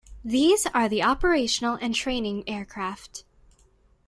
These are the operational and training aircraft.